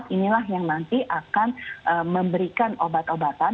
inilah yang nanti akan memberikan obat obatan